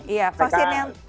iya vaksin yang